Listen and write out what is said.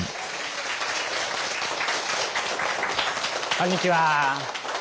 こんにちは。